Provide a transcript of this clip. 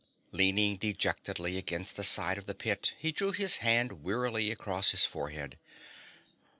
Leaning dejectedly against the side of the pit, he drew his hand wearily across his forehead.